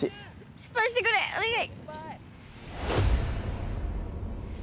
失敗してくれお願い。